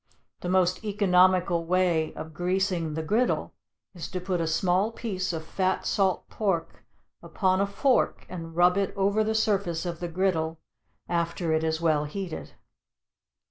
The most economical way of greasing the griddle is to put a small piece of fat salt pork upon a fork and rub it over the surface of the griddle after it is well heated.